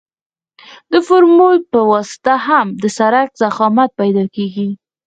د فورمول په واسطه هم د سرک ضخامت پیدا کیږي